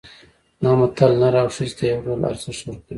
دا متل نر او ښځې ته یو ډول ارزښت ورکوي